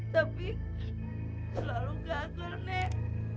tapi selalu gagal nek